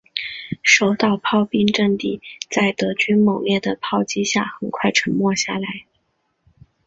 守岛炮兵阵地在德军猛烈的炮击下很快沉默下来。